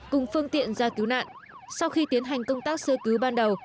cùng phương tiện ra cứu nạn sau khi tiến hành công tác sơ cứu ban đầu